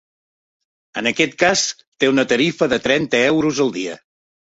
En aquest cas, té una tarifa de trenta euros al dia.